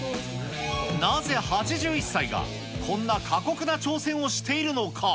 なぜ８１歳が、こんな過酷な挑戦をしているのか。